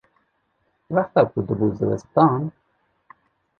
wexta ku dibû zivistan